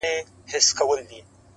او د لویانو لپاره پکي دا درس پروت دی